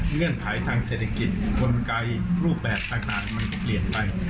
เงื่อนไขทางเศรษฐกิจกลไกรูปแบบต่างมันก็เปลี่ยนไป